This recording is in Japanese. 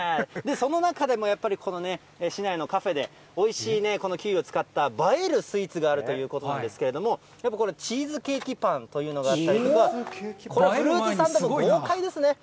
その中でもやっぱり市内のカフェで、おいしいキウイを使った映えるスイーツがあるということなんですけれども、チーズケーキパンというのがあったりとか、フルーツサンドも豪快ですね。